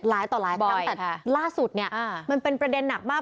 ต่อหลายครั้งแต่ล่าสุดเนี่ยมันเป็นประเด็นหนักมาก